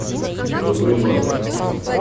Добрый малый.